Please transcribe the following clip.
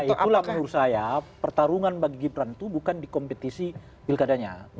karena itulah menurut saya pertarungan bagi gibran itu bukan di kompetisi pilkadanya